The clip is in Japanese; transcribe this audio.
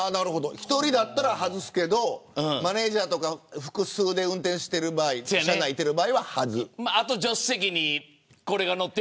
１人だったら外すけどマネジャーとか複数で運転している場合は外す。